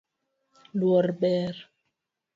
Luor ber